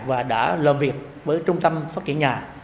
và đã làm việc với trung tâm phát triển nhà